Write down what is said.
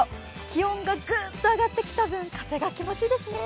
気温がグッと上がってきた分、風が気持ちいいですね。